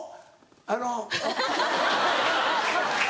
あの。